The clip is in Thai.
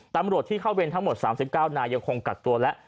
ตำรวจที่เข้าเวรทั้งหมด๓๙นายยังคงกักตัวแล้ว